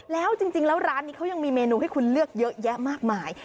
แล้วจริงแล้วร้านนี้เขายังมีเมนูให้คุณเลือกเยอะแยะมากมาย